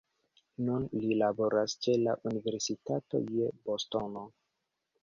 Nun li laboras ĉe la Universitato je Bostono.